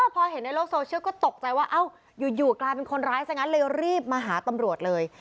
พอเห็นในโลกโซเชียลก็ตกใจว่าอยู่กลายเป็นคนร้ายซะงั้นเลยรีบมาหาตำรวจเลย